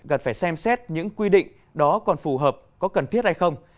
cần phải xem xét những quy định đó còn phù hợp có cần thiết hay không